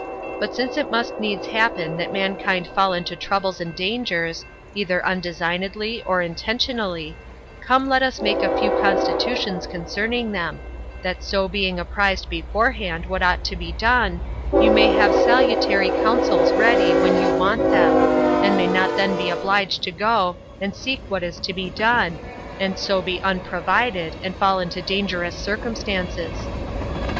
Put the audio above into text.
But since it must needs happen that mankind fall into troubles and dangers, either undesignedly or intentionally, come let us make a few constitutions concerning them, that so being apprised beforehand what ought to be done, you may have salutary counsels ready when you want them, and may not then be obliged to go to seek what is to be done, and so be unprovided, and fall into dangerous circumstances.